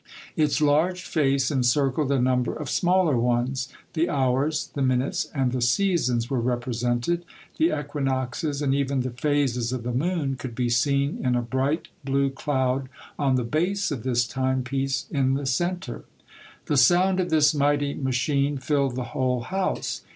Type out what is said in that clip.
The Clock of Boiigival. 63 Its large face encircled a number of smaller ones ; the hours, the minutes, and the seasons were rep resented ; the equinoxes and even the phases of the moon could be seen in a bright blue cloud on the base of this timepiece, in the centre. The sound of this mighty machine filled the whole house.